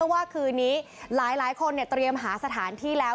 ว่าคืนนี้หลายคนเตรียมหาสถานที่แล้ว